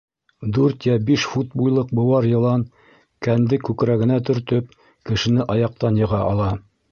Дүрт йә биш фут буйлыҡ быуар йылан, кәнде күкрәгенә төртөп, кешене аяҡтан йыға ала.